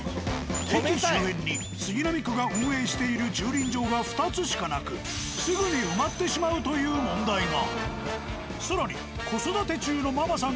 駅周辺に杉並区が運営している駐輪場が２つしかなくすぐに埋まってしまうという問題が。